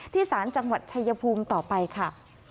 ศาลจังหวัดชายภูมิต่อไปค่ะ